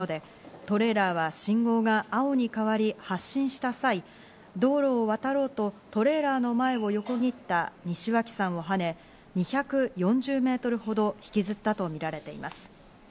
防犯カメラの捜査などから関与が浮上したもので、トレーラーは、信号が青に変わり、発進した際、道路を渡ろうとトレーラー前を横切った西脇さんをはね、２４０メートルほど引きずったとみられています。